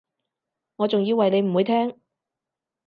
我仲以為你唔會聽